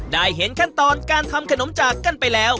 เห็นขั้นตอนการทำขนมจากกันไปแล้ว